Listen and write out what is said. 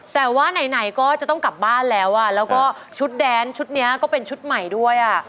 แต่ว่าไหนก็จะต้องกลับบ้านแล้ว